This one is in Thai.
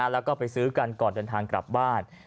แล้วก็ไปซื้อกันก่อนเดินทางกลับบ้าน